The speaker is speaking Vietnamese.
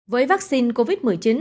với vaccine covid một mươi chín